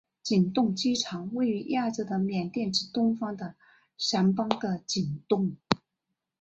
景栋机场位于亚洲的缅甸之东方的掸邦的景栋。